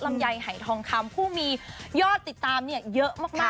ลำไยหายทองคำผู้มียอดติดตามเนี่ยเยอะมาก